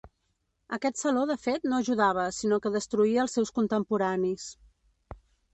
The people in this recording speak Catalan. Aquest saló de fet no ajudava sinó que destruïa els seus contemporanis.